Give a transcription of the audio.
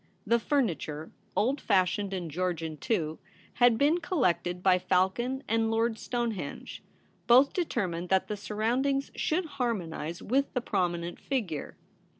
The furniture, old fashioned and Georgian too, had been collected by Falcon and Lord Stonehenge ; both determined that the surroundings should harmonize with the 256 THE REBEL ROSE. prominent figure.